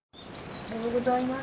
おはようございます。